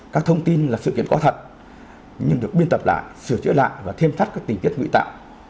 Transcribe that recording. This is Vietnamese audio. các thông tin là sự kiện có thật nhưng được biên tập lại sửa chữa lại và thêm phát các tình tiết nguy tạo